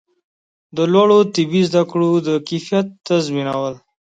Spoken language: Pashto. د لوړو طبي زده کړو د کیفیت تضمینول